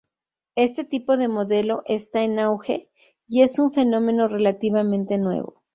Este tipo de modelo está en auge y es un fenómeno relativamente nuevo.